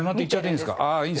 いいんですか。